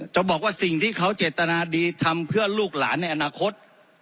จะบอกว่าสิ่งที่เขาเจตนาดีทำเพื่อลูกหลานในอนาคต